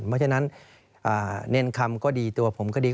เพราะฉะนั้นเนรคำก็ดีตัวผมก็ดี